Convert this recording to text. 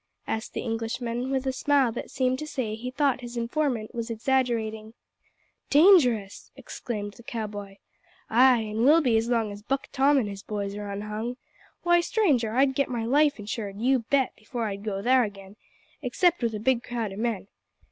asked the Englishman, with a smile that seemed to say he thought his informant was exaggerating. "Dangerous!" exclaimed the cow boy. "Ay, an will be as long as Buck Tom an' his boys are unhung. Why, stranger, I'd get my life insured, you bet, before I'd go thar again except with a big crowd o' men.